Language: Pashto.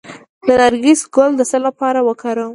د نرګس ګل د څه لپاره وکاروم؟